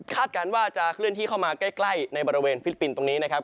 การว่าจะเคลื่อนที่เข้ามาใกล้ในบริเวณฟิลิปปินส์ตรงนี้นะครับ